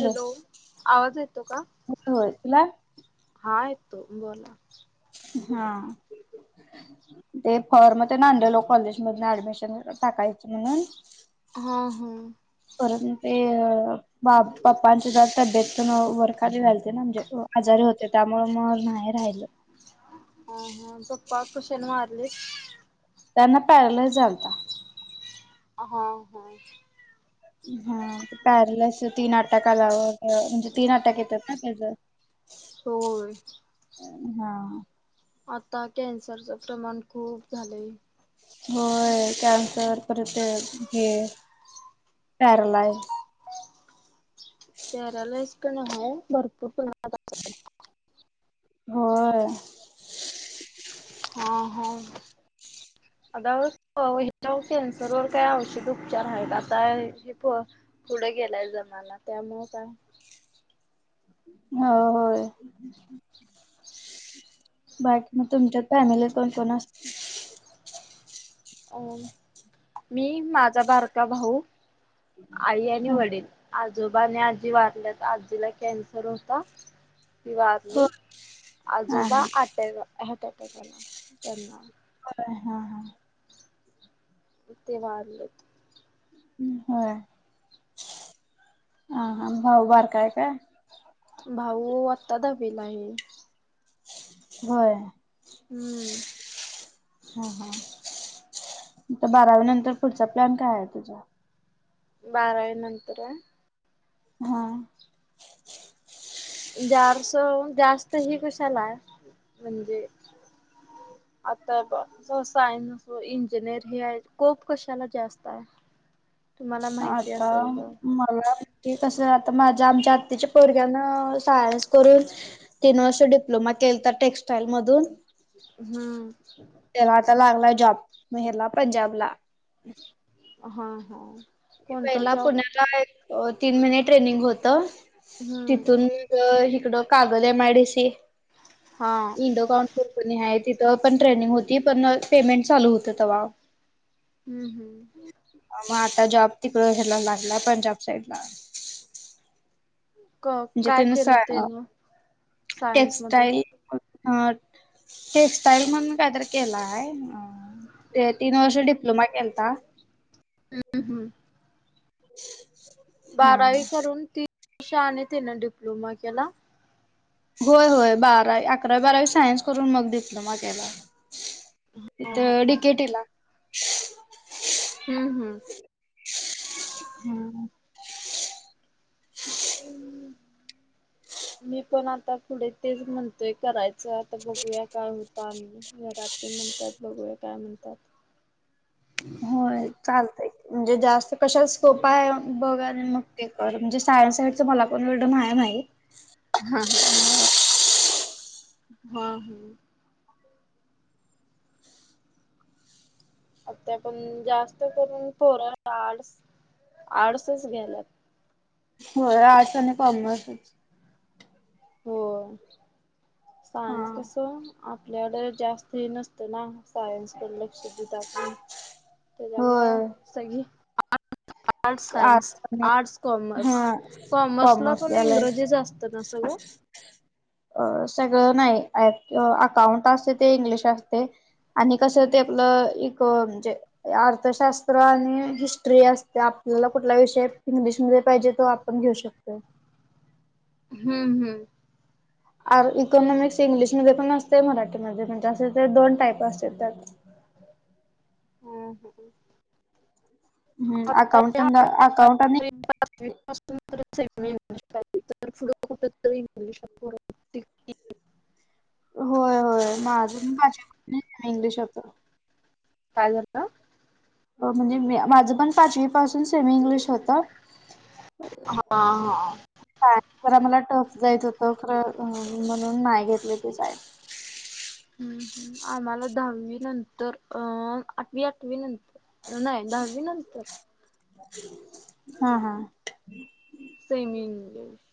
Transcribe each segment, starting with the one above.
Hello आवाज येतो का होय तुला? हा येतो बोला. हा ते फॉर्म ते आणलेलो कॉलेज मध्ये ऍडमिशन टाकायच म्हणून हा हा परंतन ते बा पप्पांची जरा तब्येत वरखाली व्हालती ना म्हणजे आजारी होते त्यामुळ मग नाही राहिलं अ हा पप्पा कशाण वारलेत त्यांना पॅरलायस झालता [inaudible] हा पॅरलस तीन अटँक आल्यावर म्हणजे ती अटँक येतात ना त्याच होय हा आता कॅन्सरचं प्रमाण खूप झालंय होय कॅन्सर पर ते हे पॅरालाय. पॅरालाइस कनाय भरपूर [unintelligible] होय हा हो आता हो ह्याच्या कॅन्सरवर काय औषध उपचार आहेत आता हे पुढं गेलाय जमाना, त्यामुळं काय हो, होय. बाकी मग, तुमच्या फॅमिलीत कोण-कोण असतंय? अह मी, माझा बारका भाऊ, आई आणि वडील. आजोबा आणि आजी वारल्यात, आजीला कॅन्सर होता. ती हा वारली, हा आजोबा अटक हार्ट अटॅक आला त्यांना हा हा ते वारलेत. होय. हा हा, भाऊ बारका आहे काय? भाऊ, आत्ता दहावीला आहे. होय. हम्म. हा हा. आता बारावी नंतर, पुढचा प्लॅन काय आहे तुझा? बारावी नंतर होय हा. जारसव, जास्त हे कशाला आहे म्हणजे आता जस सायन्स, इंजिनिअर हे आहेत. स्कोप कशाला जास्त आहे? तुम्हाला माहिती आता असेल तर मला हे कसं आता, माझ्या आमच्या आत्याच्या पोरग्यांन सायन्स करून तीन वर्ष डिप्लोमा केलता टेक्स्टाईल मधून. हम्म. त्याला आता लागला जॉब, मेहेरला पंजाबला. हा. हा. कोणता पहिला जॉब पुण्याला एक, तीन महिने ट्रेनिंग होत. हम्म तिथून मग हिकडं, Kagal M I D C, हा इंडो कॉम कंपनी आहे तिथं, पण ट्रेनिंग होती. पण पेमेंट चालू होत तेव्हा. हम्म हम्म. मग आता, जॉब तिकड ह्याला लागला पंजाब साईडला. क म्हणजे काय केलं त्यानुसार, त्यान सायन्स मधून टेक्स्टाईल अह टेक्स्टाईल मधून काहीतरी केला आहे. अह ते तीन वर्ष डिप्लोमा केलता हम्म हम्म. हा बारावी करून, तीन वर्ष आणि त्यानं डिप्लोमा केला होय होय. बारावी, अकरावी-बारावी सायन्स करून, मग डिप्लोमा केला. तिथं डिकेटीला. हम्म हम्म. हा. हम्म हम्म मी पण आता, पुढे तेच म्हणतोय करायचं च तर आता, बघूया काय होतं आणि घरातली म्हणतात, बघूया काय म्हणताहेत. होय, चालतंय. म्हणजे जास्त कशाला स्कोप आहे, बघ आणि मग ते कर. म्हणजे सायन्स साईडचं, मला पण एवढं नाय माहीत. हा हा, हा, आता पण जास्त करून पोरं आर्टसं आर्ट्संच घ्यायल्यात. होय. आर्टसं आणि कॉमर्सच होय. हा. सायन्स कसं आपल्याकडं जास्त हे नसतं ना, सायन्स कड लक्ष देत आपुण- त्याच्यामुळ होय सगी [unintelligible] आर्टस सायन्स, आर्ट्स आणि आर्ट्स कॉमर्स, हा. कॉमर्स ला पण इंग्रजी जास्त त नसल ओ अ सगळं नाही. अकाउंट असते ते इंग्लिश असते. आणि कसं ते आपलं एक म्हणजे अर्थशास्त्र आणि हिस्ट्री असते. आपल्याला कुठला विषय इंग्लिशमध्ये पाहिजे तो आ घेऊ शकतोय. हम्म हम्म, आर इकॉनॉमिक्स इंग्लिशमध्ये पण असतंय, मराठीमध्ये पण [unintelligible] दोन टाईप असतेत त्यात [inaudible] हम्म, आता अकाउंट या चंदा अकाउंट आणि [unintelligible] [unintelligible] एवढुशा पोरा होय होय. माझी [unintelligible] इंग्लिशाच काय येतं? म्हणजे म्या माझं पण पाचवी पासून सेमी इंग्लिश होतं. हा हा, हा परा मला टफ जायच होत, खरं म्हणून नाही घेतले ते साय. हम्म हम्, आम्हाला दहावी नंतर अं आठवी आठवी नंतर नाही दहावी नंतर हा हा, सेमी इंग्लिश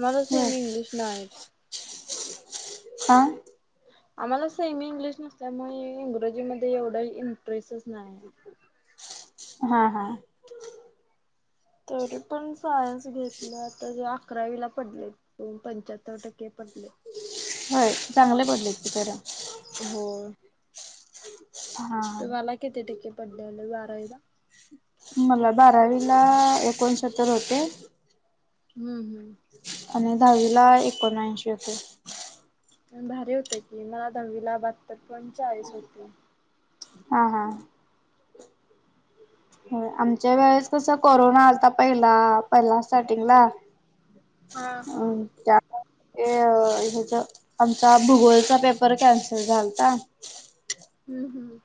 माझं होय सेमी इंग्लिश नाहीच. हा आम्हाला सेमी इंग्लिश नसल्यामुळे इंग्रजी मध्ये एवढा इंटरेस्टच नाही. हा हा, तरी पण सायन्स घेतला. तरी अकरावीला पडले. पंच्याहत्तर टक्के पडले. होय. चांगले पडले कि तर होय. [inaudible] तुम्हाला किती टक्के पडलेले बारावीला? मला बारावीला एकोणसत्तर होते. हम हम्म, आणि दहावी ला एकोणऐंशी होते. पण भारी होते की, मला दहावीला बाहत्तर पॉइंट चाळीस होते. हा हा, होय. आमच्या वेळेस कसं कोरोना आलता पहिला पहिला स्टार्टिंगला हा हा. अम, त्यामुळ ए ह्याच आमचा भूगोलचा पेपर कॅन्सल झालता. हम्म हम्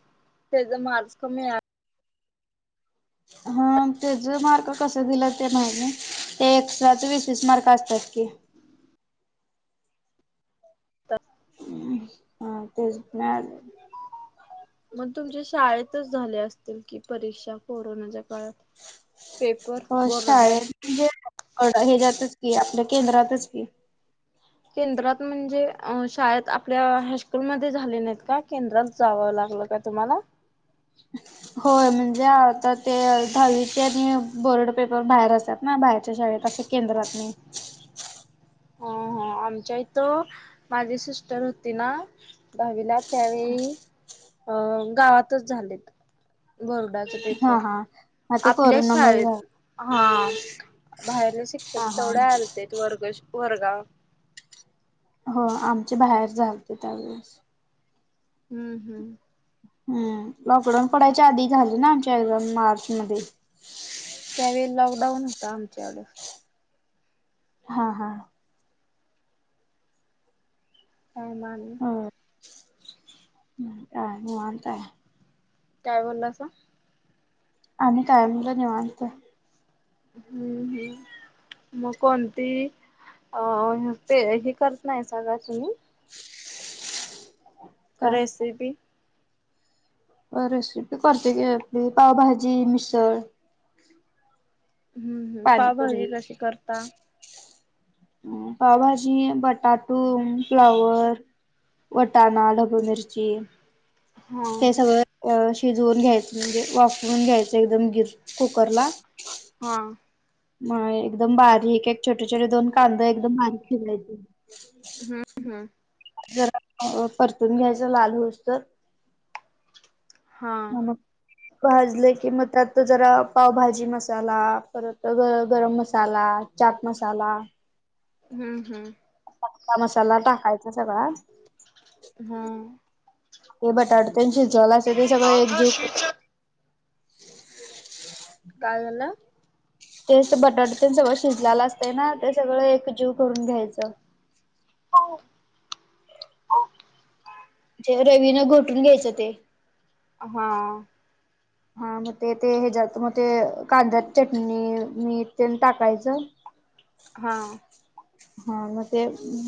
त्याचा मार्क्स कमी आहे. हा त्याच मार्क कस दिला ते नाही. ते एष्ट्राचं वीस वीस मार्क असतात की हम हा तेच नाही. मग तुमच्या शाळेतच झाले असतील की परीक्षा? कोरोनाच्या काळात पेपर बरडात. हड हच्यातच की आपल्या केंद्रातच की. केंद्रात म्हणजे शाळेत आपल्या हायस्कूलमध्येध्ये झाले नाहीत का केंद्रात जावं लागलं. का तुम्हाला. होय म्हणजे आता ते दहावीचे आणि- बोर्ड पेपर बाहेर असतात ना, बाहेरच्या शाळेत असे केंद्रात नाही. हो हो आमच्या इथं माझी सिस्टर होती ना दहावीला. त्यावेळी अ गावातच झालेत वरुडात- हा हा मग ते आपल्याच कोरोनामुळे शाळेत झालं हा बाहेरले शिक्षक हा हा तेवढ्या आलं - ते वर्ग वर्गा- हो आमच्या बाहेर झालते त्यावेेळेस- हम्म हम्म हम लॉकडाऊन पडायच्या आधी झाले ना आमच्या एक्झाम मार्च मध्ये. त्यावेळी लॉकडाऊन होता आमच्या. हा हा काय माण हा ह काय मवाता आहेय [inaudible] काय बोललासा. आम्ही कायम च निवांत हम्म हम्म मग कोणती अ ते हे करत नाही सगा तुम्ही. काय रेसिपी. रेसिपी करते की आपली पावभाजी, मिसळ, हम्म हम पाणीपुरी पावभाजी कशी करता? पावभाजी बटाटो, फ्लावर, वटाणा, ढबू मिरची हा ते सगळ- शिजवून घ्यायचं म्हणजे वापरून घ्यायचं एकदम गिर कुकर ला. हा म एकदम बारीक एक छोटे छोटे दोन कांदाे एकदम बारीक चिरायचे. हम्म हम् जरा परतून घ्यायच लाल होसुतर. हा म भाजले की मग त्यात जरा पावभाजी मसाला परत ग गरम मसाला. चाट मसाला. हम्म हम्म अका मसाला टाकायचा सगळां. हा मग बटाटे तेन शिजवलेलं ते सगळ एक जीव काय झालं? ते असं बटाट तेंच [unintelligible] शिजलेलं असतं ना ते सगळं एकजीव करून घ्यायचं. [unintelligible] ज्या रवीन घोटून घ्यायचं ते. अ हां. हा मग ते ते ह्याच्यात मग ते कांद्यात चटणी मीठ तेल टाकायचं. [inaudible] हां. हा मग ते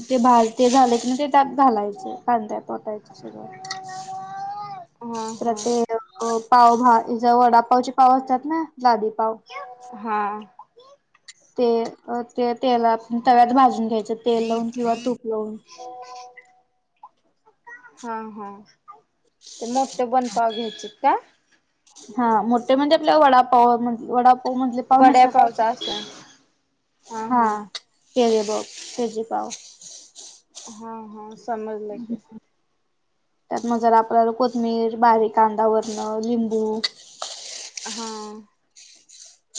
ते भाल ते झाले की ना ते त्यात घालायचं. कांद्या पोतायची सुरुवात. हा हा प्रत्येक अ पाव भा ज वडापावचे पाव असतात ना लादीपाव. हां. ते ते तेलात तव्यात भाजून घ्यायचं तेल लावून किंवा तूप लावून. [inaudible] हुं हुं ते मोठे बनपाव घ्यायचेत का? हा मोठ्ठे म्हणजे आपला वडापाव म्हण वडा. वडे पावचा आसाल. हा केले बघ फेजे पाव. हा हा समजलय की. त्यात मग जरा आपल्याला कोथमीर बारीक कांदा वरण लिंबू हा.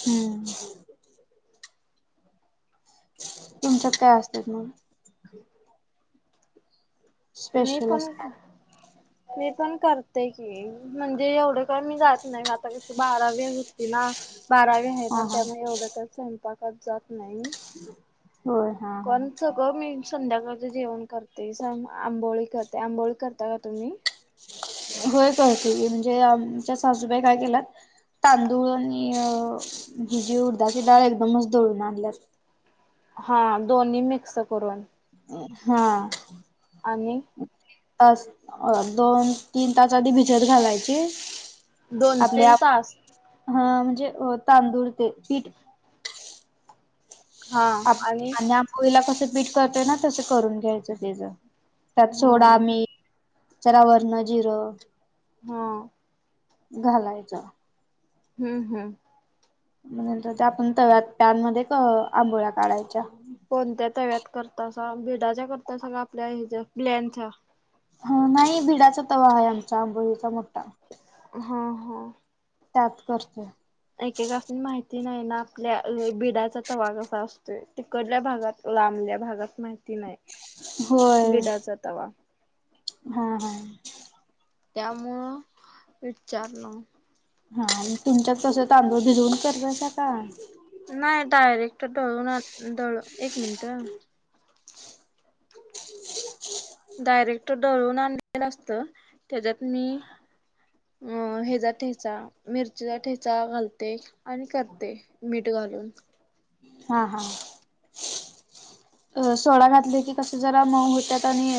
हुं. तुमच्यात काय असत्यात मग. मी स्पेशल पण को [inaudible] मी पण करते की म्हणजे एवढं कर मी जात नाही आता कशी बारावी होती ना. बारावी आहे ना हा हा त्यामुळे एवढं काया स्वयंपाकात जात नाही. होय. हा हा कोणचं ग मी संध्याकाळच जेवण करते सांग आंबोळी करत. ते आंबोळी करता का तुम्ही? होय बहुतेक म्हणजे आमच्या सासूबाई काय केलात? तांदूळ आणि अ हि जी उडदाची डाळ आहे पण नुस दळून आणल्या. हां दोन्ही मिक्स करून. हां. आणि पाच दोन तीन तास आधी भिजत घालायचे. दोन तीन तास. हं म्हणजे अ तांदूळ ते पीठ. आणि आंबोळीला कसं पीठ करतोयना ना करून घ्यायचं डेजा त्यात हा सोडा, मीठ जरा वरण जिरं. हां. झालाय चहा. हुं हुं. पण नंतर त्या पण तव्यात पॅन मध्ये आंबोळ्या काढायच्या. कोणत्या तव्यात करतासा बिडाच्या करतासा का आपल्या ह्याच्या प्लॅनच्या? ह नाही भिडाचा तवा आहे आमच्या आंबोळीचा मोठा. हो हो. त्यात करते. एकेका अस माहिती नाही ना आपल्या बिडाचा तवा कसा असतोय तिकडल्या भागात. लांबल्या भागात माहिती नाही. होय. बिडाचा तवा हा हा. त्यामुळं विचारलं. हा आणि तुमच्यात कस तांदळ भिजवून करत का. नाही डायरेक्ट दळून दळून एक मिनट. [unintelligible] डायरेक्ट डळून आणलेलं असत त्याच्यात मी. अ हेचा ठेचा मिरचीचा ठेचा घालते. आणि करते मीठ घालून. हा हा. अ सोडा घातले की कसे जरा मऊ होत्या आणि